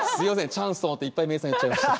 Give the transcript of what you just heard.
チャンスと思っていっぱい名産言っちゃいました。